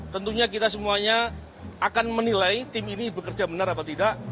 tentunya kita semuanya akan menilai tim ini bekerja benar atau tidak